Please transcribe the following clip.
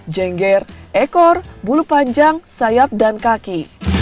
jengger ekor bulu panjang sayap dan kaki